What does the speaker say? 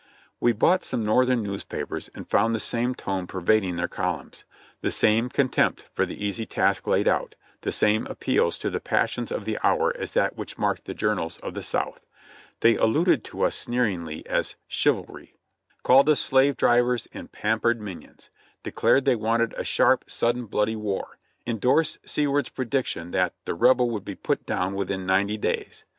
We bought some Northern newspapers and found the same tone pervading their columns; the same contempt for the easy task laid out; the same appeals to the passions of the hour as that which marked the journals of the South; they alluded to us sneer ingly as "Chivalry;" called us "slave drivers and pampered min ions;" declared they wanted a sharp, sudden, bloody war; en dorsed Seward's prediction that "the rebellion would be put down within ninety days."